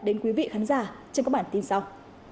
đến quý vị khán giả trong các bản tin sau